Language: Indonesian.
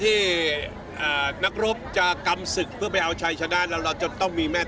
dan kita harus memiliki perempuan yang memiliki pemimpin